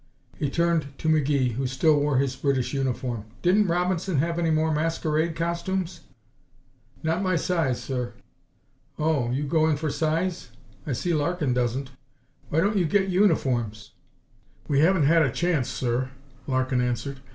He turned to McGee, who still wore his British uniform. "Didn't Robinson have any more masquerade costumes?" "Not my size, sir." "Oh, you go in for size? I see Larkin doesn't. Why don't you get uniforms?" "We haven't had a chance, sir," Larkin answered.